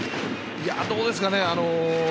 どうですかね。